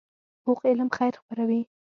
پوخ علم خیر خپروي